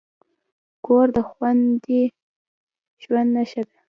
کور د خوندي ژوند نښه ده.